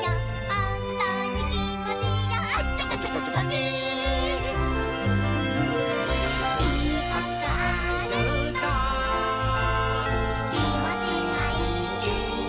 「ほんとにきもちがアチャカチョコチョコピー」「いいことあるときもちがいいよ」